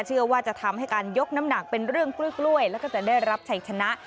เชื่อว่าจะทำให้การยกน้ำหนักเป็นเรื่องกล้วยแล้วก็จะได้รับชัยชนะ